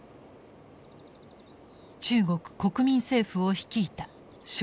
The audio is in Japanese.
中国国民政府を率いた介石。